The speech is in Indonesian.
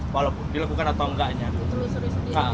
walaupun dilakukan atau enggaknya